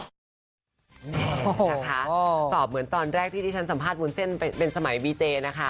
นะคะตอบเหมือนตอนแรกที่ที่ฉันสัมภาษณ์วุ้นเส้นเป็นสมัยวีเจนะคะ